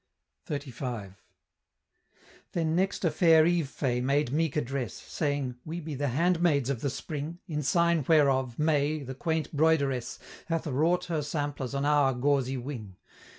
XXXV. Then next a fair Eve Fay made meek address, Saying, "We be the handmaids of the Spring; In sign whereof, May, the quaint broideress, Hath wrought her samplers on our gauzy wing.